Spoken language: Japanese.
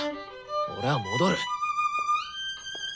俺は戻る！